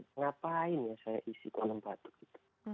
kenapa saya isi kolam batuk